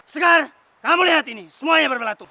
segar kamu lihat ini semuanya berbelatul